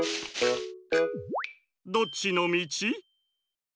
どっちのみち？